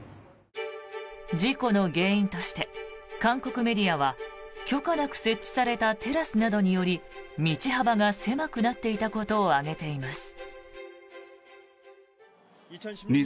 事故の原因として韓国メディアは許可なく設置されたテラスなどにより道幅が狭くなっていたことを挙げています。